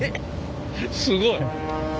すごい。